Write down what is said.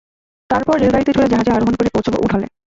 তারপর রেলগাড়িতে চরে জাহাজে আরোহণ করে পৌছুবো উড হলে।